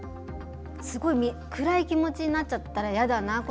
すごい暗い気持ちになっちゃったら嫌だな。